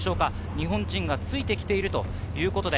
日本人がついてきています。